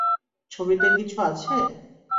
ছবিতে কিছু আছে?